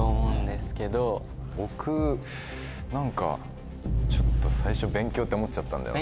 僕何かちょっと最初。って思っちゃったんだよな。